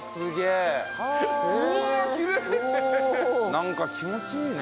なんか気持ちいいね。